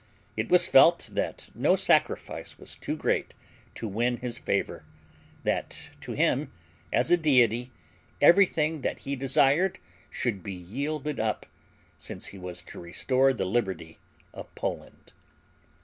It was felt that no sacrifice was too great to win his favor; that to him, as to a deity, everything that he desired should be yielded up, since he was to restore the liberty of Poland.